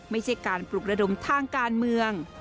ไม่ใช่การปลุกระดมทางการเมือง